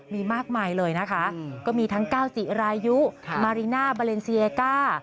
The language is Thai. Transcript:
มีมากมายเลยนะคะก็มีทั้งก้าวจิรายุมาริน่าบาเลนซีเอก้า